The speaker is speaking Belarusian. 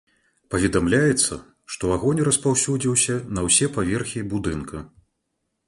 Паведамляецца, што агонь распаўсюдзіўся на ўсе паверхі будынка.